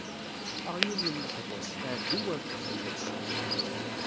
Aɣyul n leḥbas, ɛebbi u rkeb fell-as.